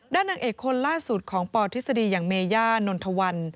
ด้านหนังเอกคนล่าสุดของปอทฤษฎีอย่างเมญญานนทวัล